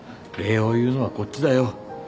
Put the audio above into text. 礼を言うのはこっちだよ。